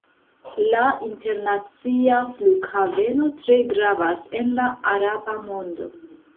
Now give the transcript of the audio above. La internacia flughaveno tre gravas en la araba mondo.